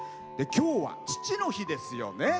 きょうは父の日ですよね。